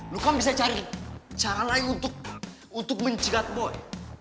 lu kan bisa cari cara lain untuk mencegat boy